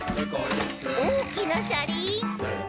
「おおきなしゃりん！」